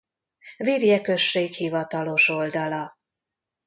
Virje község hivatalos oldala